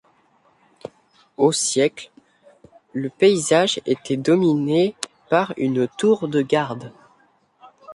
Au siècle, le paysage était dominé par une tour de garde.